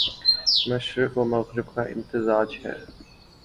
مشرق و مغرب کا امتزاج ہے